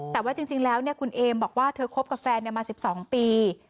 แต่ว่าจริงแล้วคุณเอมบอกว่าเธอคบกับแฟนมา๑๒ปี